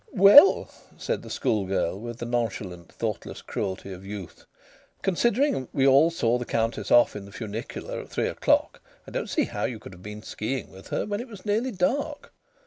"Well," said the schoolgirl with the nonchalant thoughtless cruelty of youth, "considering that we all saw the Countess off in the funicular at three o'clock, I don't see how you could have been ski ing with her when it was nearly dark."